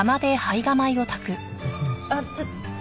あっちょっ。